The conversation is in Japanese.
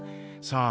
さあ